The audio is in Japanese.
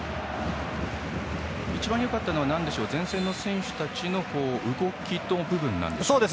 一番よかったのは前線の選手たちの動きの部分でしょうか。